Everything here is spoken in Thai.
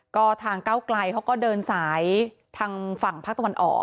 ก็ทางเก้าไกลเขาก็เดินสายทางฝั่งภาคตะวันออก